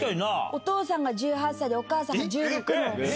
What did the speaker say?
お父さんが１８歳で、お母さんが１６なんです。